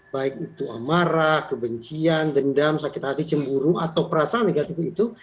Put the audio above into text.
baik itu amarah kebencian dendam sakit hati cemburu atau perasaan negatif itu